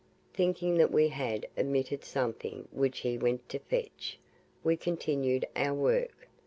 Thinking that we had omitted something which he went to fetch, we continued our work.